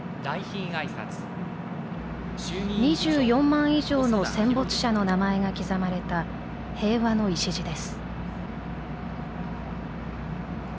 ２４万以上の戦没者の名前が刻まれた平和の礎です。